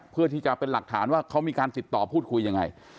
เพื่อที่จะเป็นหลักฐานว่าเขามีการติดต่อพูดคุยยังไง